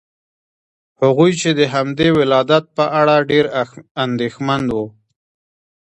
هغوی د همدې ولادت په اړه ډېر اندېښمن وو.